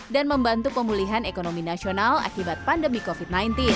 dan membantu pemulihan ekonomi nasional akibat pandemi covid sembilan belas